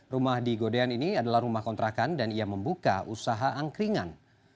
rumah di godean ini adalah rumah kontrakan dan ia membuka usaha angkringan